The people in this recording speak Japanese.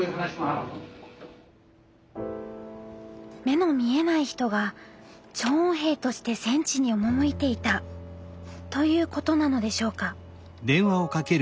目の見えない人が聴音兵として戦地に赴いていたということなのでしょうか。